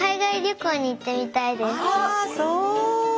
あらそう！